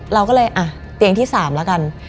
เราก็เลยอ่ะเตียงที่๓แล้วกัน